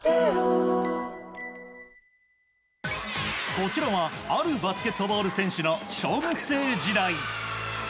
こちらはあるバスケットボール選手の小学生時代。